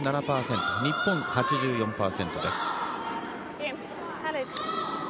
日本、８４％です。